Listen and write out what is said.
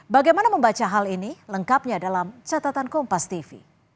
bagaimana membaca hal ini lengkapnya dalam catatan kompas tv